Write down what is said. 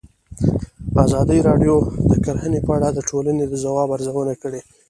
ازادي راډیو د کرهنه په اړه د ټولنې د ځواب ارزونه کړې.